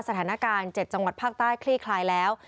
สถานการณ์๗จังหวัดภาคใต้คลี่คลายแล้ว